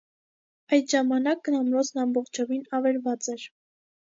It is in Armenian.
Այդ ժամանակ ամրոցն ամբողջովին ավերված էր։